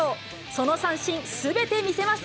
その三振、すべて見せます。